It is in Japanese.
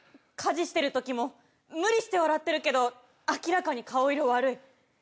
家事してるときも無理して笑ってるけど明らかに顔色悪い。